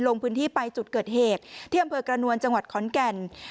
ลงพื้นที่ไปจุดเกิดเหตุที่อำเภอกระนวลจังหวัดขอนแก่น